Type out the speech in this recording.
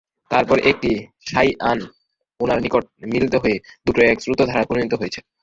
তারপর একটি সায়হান উনার নিকট মিলিত হয়ে দুটো এক স্রোতধারায় পরিণত হয়েছে।